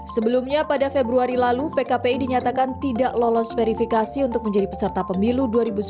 sebelumnya pada februari lalu pkpi dinyatakan tidak lolos verifikasi untuk menjadi peserta pemilu dua ribu sembilan belas